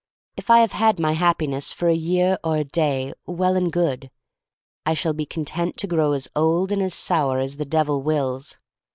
If I have had my Happiness for a year or a day, well and good. I shall be con tent to grow as old and as sour as the Devil wills.